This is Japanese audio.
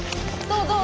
どう？